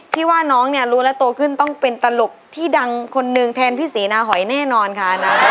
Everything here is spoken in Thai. พี่ว่าน้องเนี่ยรู้แล้วโตขึ้นต้องเป็นตลกที่ดังคนหนึ่งแทนพี่ศรีนาหอยแน่นอนค่ะ